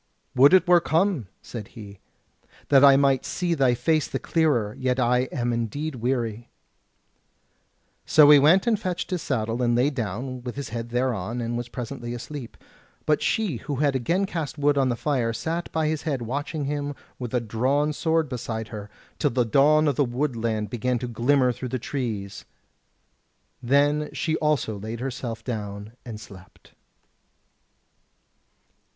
"Would it were come," said he, "that I might see thy face the clearer; yet I am indeed weary." So he went and fetched his saddle and lay down with his head thereon; and was presently asleep. But she, who had again cast wood on the fire, sat by his head watching him with a drawn sword beside her, till the dawn of the woodland began to glimmer through the trees: then she also laid herself down and slept.